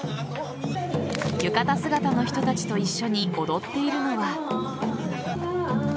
浴衣姿の人たちと一緒に踊っているのは。